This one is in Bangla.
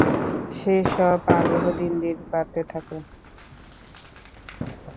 সেসব আগ্রহ দিন দিন বাড়তে থাকে।